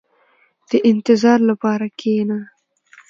• د انتظار لپاره کښېنه.